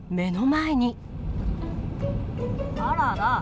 あらら。